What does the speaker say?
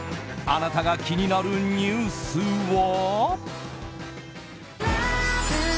あなたが気になるニュースは？